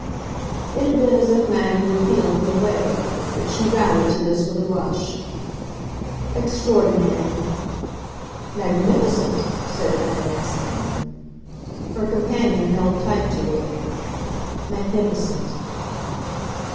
It had been as if Maggie were feeling her way; but she rallied to this with a rush. "Extraordinary." "Magnificent," said Fanny Assingham. Her companion held tight to it. "Magnificent."